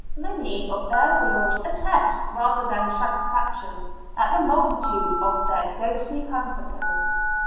Many of their wills attest rather their satisfaction at the multitude of their ghostly comforters.